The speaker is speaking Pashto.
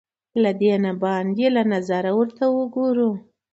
له دینه باندې له نظره ورته وګورو